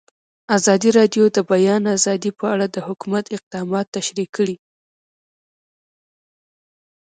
ازادي راډیو د د بیان آزادي په اړه د حکومت اقدامات تشریح کړي.